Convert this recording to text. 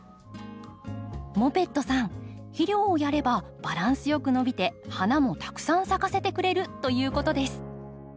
モペットさん肥料をやればバランスよく伸びて花もたくさん咲かせてくれるということです。